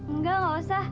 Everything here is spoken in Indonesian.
enggak gak usah